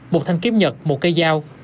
một thanh kiếm nhật một cây dao